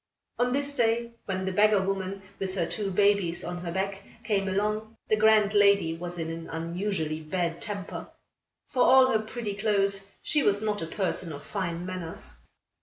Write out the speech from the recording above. On this day, when the beggar woman, with her two babies on her back, came along, the grand lady was in an unusually bad temper. For all her pretty clothes, she was not a person of fine manners.